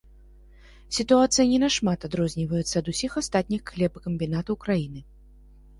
Сітуацыя не нашмат адрозніваецца ад усіх астатніх хлебакамбінатаў краіны.